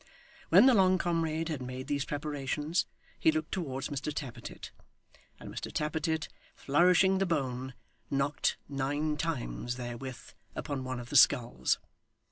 When the long comrade had made these preparations, he looked towards Mr Tappertit; and Mr Tappertit, flourishing the bone, knocked nine times therewith upon one of the skulls.